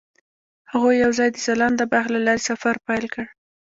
هغوی یوځای د ځلانده باغ له لارې سفر پیل کړ.